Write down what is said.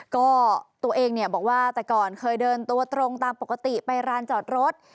ก็ตัวเองเนี่ยบอกว่าแต่ก่อนเคยเดินตัวตรงตามปกติไปร้านจอดรถ